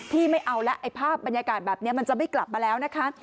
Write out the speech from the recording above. ไม่เอาแล้วไอ้ภาพบรรยากาศแบบนี้มันจะไม่กลับมาแล้วนะคะ